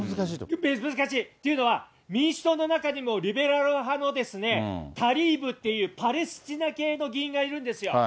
っていうのは、民主党の中にもリベラル派のタリーブっていうパレスチナ系の議員がいるんですよ。